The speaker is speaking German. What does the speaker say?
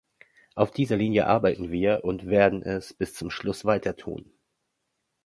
Auf dieser Linie arbeiten wir und werden es bis zum Schluss weiter tun.